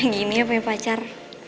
gini punya pacar